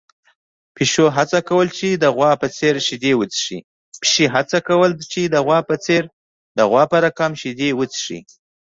پيشو هڅه کوله چې د غوا په څېر شیدې وڅښي.